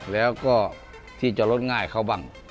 แล้วก็ที่จะลดง่ายเข้าบ้าง